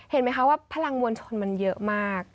เห็นไหมคะว่าพลังมวลชนมันเยอะมาก